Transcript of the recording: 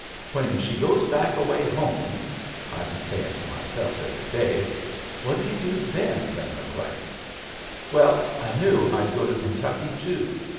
'When she goes back away home,' I'd been saying to myself every day, 'what'll you do then, Lin McLean?' Well, I knew I'd go to Kentucky too.